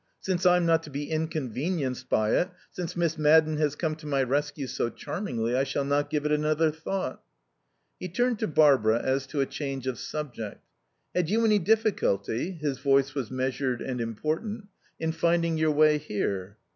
Since I'm not to be inconvenienced by it since Miss Madden has come to my rescue so charmingly I shall not give it another thought." He turned to Barbara as to a change of subject. "Had you any difficulty" (his voice was measured and important) "in finding your way here?"